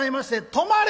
「止まれ！」。